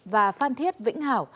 và phan thiết vĩnh hảo